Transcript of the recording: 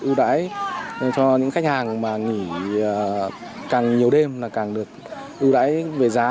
ưu đãi cho những khách hàng mà nghỉ càng nhiều đêm là càng được ưu đãi về giá